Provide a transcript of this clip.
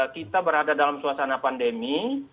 kita berada dalam suasana pandemi